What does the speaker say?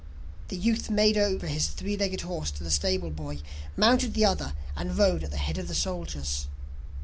The youth made over his three legged horse to the stable boy, mounted the other, and rode at the head of the soldiers.